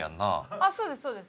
あっそうですそうです。